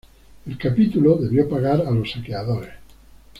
El capítulo debió pagar a los saqueadores.